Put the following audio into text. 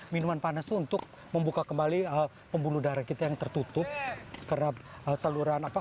minuman panas itu untuk membuka kembali pembuluh darah kita yang tertutup karena saluran apa